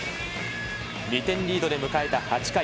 ２点リードで迎えた８回。